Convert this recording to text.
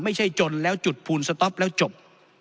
ไม่ใช่จนแล้วจุดพูลสต๊อปแล้วจบ